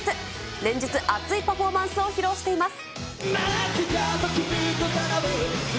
連日、熱いパフォーマンスを披露しています。